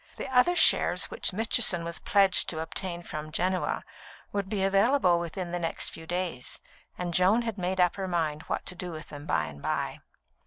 The other shares which Mitchison was pledged to obtain from Genoa would be available within the next few days, and Joan had made up her mind what to do with them by and by.